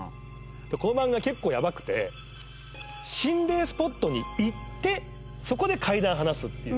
でこの番組が結構やばくて心霊スポットに行ってそこで怪談話すっていう。